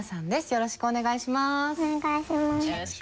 よろしくお願いします。